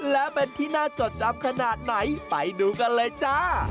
และเป็นที่น่าจดจำขนาดไหนไปดูกันเลยจ้า